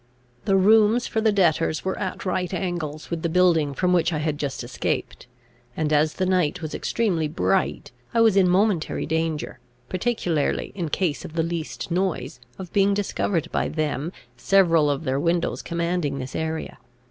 The rooms for the debtors were at right angles with the building from which I had just escaped; and, as the night was extremely bright, I was in momentary danger, particularly in case of the least noise, of being discovered by them, several of their windows commanding this area.